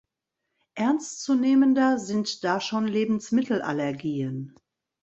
Ernstzunehmender sind da schon Lebensmittelallergien.